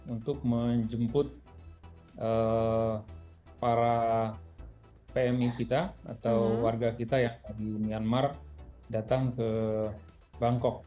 untuk menjemput para pmi kita atau warga kita yang ada di myanmar datang ke bangkok